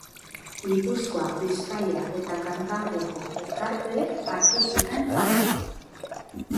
Gipuzkoa, Bizkaia eta Kantabriako elkarteek hartu zuten parte.